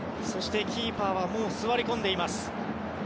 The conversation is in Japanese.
そしてキーパーはもう座り込んでいます。